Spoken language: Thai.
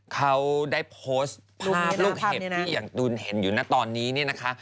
เขาได้โพสต์ภาพลูกเห็บที่อย่างตูนเห็นอยู่นะตอนนี้เนี่ยนะคะ